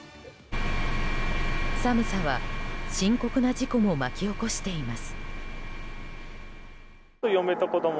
寒さは深刻な事故も巻き起こしています。